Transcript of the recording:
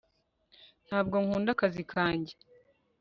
ntabwo nkunda akazi kanjye